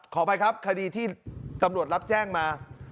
ขออภัยครับคดีที่ตำรวจรับแจ้งมา